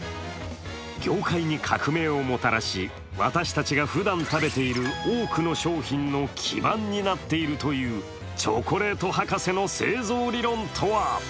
業界に革命をもたらし、私たちがふだん食べている多くの商品の基盤になっているというチョコレート博士の製造理論とは？